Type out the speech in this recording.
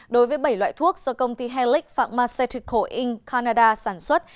đối với bảy loại thuốc do công ty helix pharmaceutical inc canada sản xuất